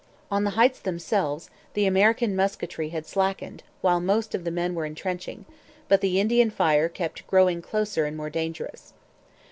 On the Heights themselves the American musketry had slackened while most of the men were entrenching; but the Indian fire kept growing closer and more dangerous.